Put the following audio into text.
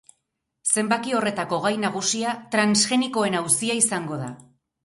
Zenbaki horretako gai nagusia transgenikoen auzia izango da.